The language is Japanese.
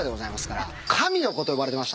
神の子と呼ばれてましたんで。